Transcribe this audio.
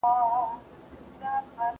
د توت ونې لاندې سیوری ډېر سوړ و.